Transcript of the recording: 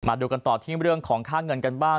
มาดูกันต่อที่เรื่องของค่าเงินกันบ้าง